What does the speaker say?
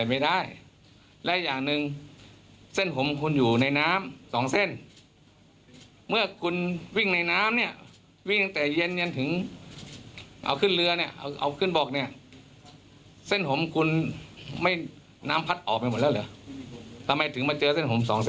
อ่ะเดี๋ยวลองฟังคุณอัชริยะนะฮะ